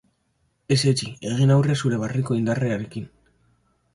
Ez etsi, egin aurre zure barneko indarrarekin.